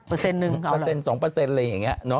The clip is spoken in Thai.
เปอร์เซ็นต์หนึ่งเขาเหรออะไรอย่างนี้เนอะ